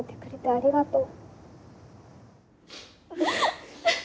ありがとう。